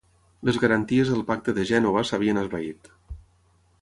Les garanties del Pacte de Gènova s'havien esvaït.